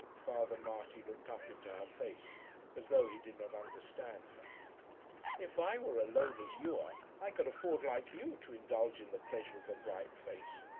Father Marty looked up into her face as though he did not understand her. "If I were alone, as you are, I could afford, like you, to indulge in the pleasure of a bright face.